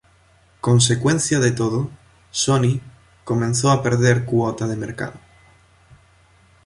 Consecuencia de todo, Sony comenzó a perder cuota de mercado.